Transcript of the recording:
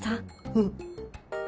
うん。